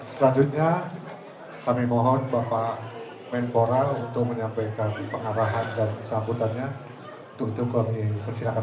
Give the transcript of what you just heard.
selanjutnya kami mohon bapak mentora untuk menyampaikan pengarahan dan kesambutannya untuk kami persiapkan